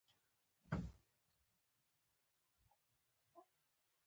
قلم د عرفان نښه ده